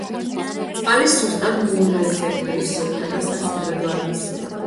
წყალი სუსტად მინერალიზებული, სუფთა და სასმელად ვარგისია.